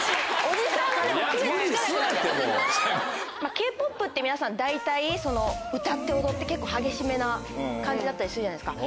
Ｋ−ＰＯＰって皆さん大体歌って踊って結構激しめな感じだったりするじゃないですか。